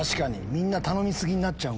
みんな頼み過ぎになっちゃう。